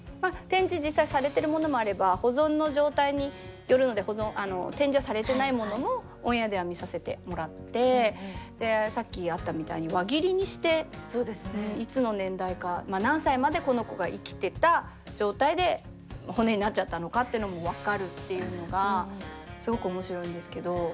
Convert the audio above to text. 展示実際されてるものもあれば保存の状態によるので展示はされてないものもオンエアでは見させてもらってでさっきあったみたいに輪切りにしていつの年代か何歳までこの子が生きてた状態で骨になっちゃったのかってのも分かるっていうのがすごく面白いんですけど。